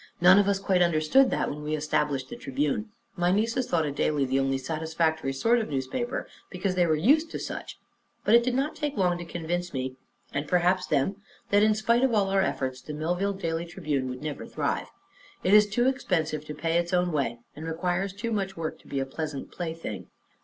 None of us quite understood that when we established the Tribune. My nieces thought a daily the only satisfactory sort of newspaper, because they were used to such, but it did not take long to convince me and perhaps them that in spite of all our efforts the Millville Daily Tribune would never thrive. It is too expensive to pay its own way and requires too much work to be a pleasant plaything.